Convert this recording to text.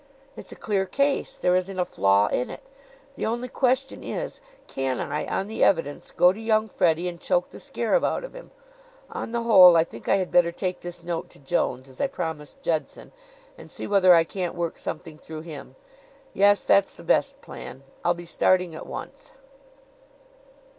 "It's a clear case. There isn't a flaw in it. The only question is, can I, on the evidence, go to young Freddie and choke the scarab out of him? On the whole, I think I had better take this note to Jones, as I promised Judson, and see whether I can't work something through him. Yes; that's the best plan. I'll be starting at once."